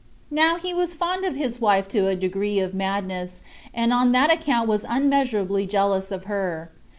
Now he was fond of his wife to a degree of madness, and on that account was unmeasurably jealous of her.